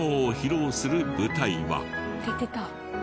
出てた。